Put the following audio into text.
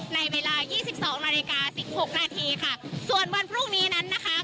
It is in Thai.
ในเวลายี่สิบสองนาฬิกาสิบหกนาทีค่ะส่วนวันพรุ่งนี้นั้นนะคะ